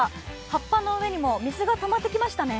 葉っぱの上にも水がたまってきましたね。